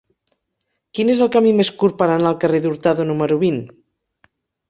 Quin és el camí més curt per anar al carrer d'Hurtado número vint?